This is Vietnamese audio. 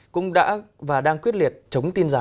cũng đã và đang quyết liệt chống tin giả